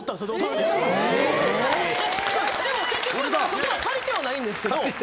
でも結局まだそこは借りてはないんですけど。